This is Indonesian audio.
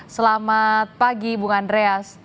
selamat pagi bung andreas